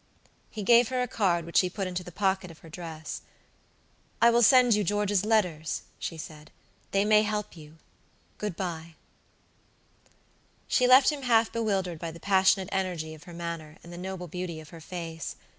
He gave her a card, which she put into the pocket of her dress. "I will send you George's letters," she said; "they may help you. Good by." She left him half bewildered by the passionate energy of her manner, and the noble beauty of her face.